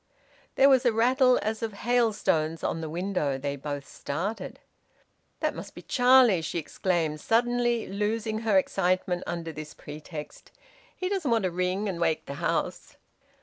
There was a rattle as of hailstones on the window. They both started. "That must be Charlie!" she exclaimed, suddenly loosing her excitement under this pretext. "He doesn't want to ring and wake the house."